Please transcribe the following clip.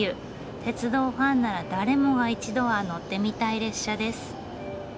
鉄道ファンなら誰もが一度は乗ってみたい列車です。